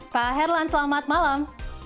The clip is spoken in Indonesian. pak herlan selamat malam